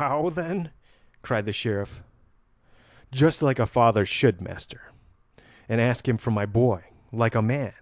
"How, then?" cried the Sheriff. "Just like a father should, master, and ask him for my boy like a man."